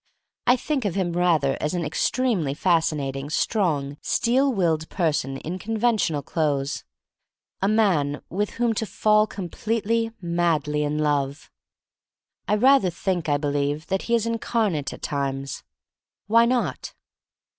I think of him rather as an ex tremely fascinating, strong, steel willed person in conventional clothes — a man with whom to fall completely, madly in love. I rather think, I believe, that he is incarnate at times. Why not?